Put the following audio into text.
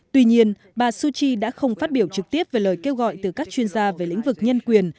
tuy nhiên bà suu kyi đã không phát biểu trực tiếp về lời kêu gọi từ các chuyên gia về lĩnh vực nhân quyền